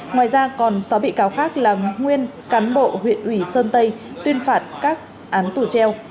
ngoài ra còn sáu bị cáo khác là nguyên cán bộ huyện ủy sơn tây tuyên phạt các án tù treo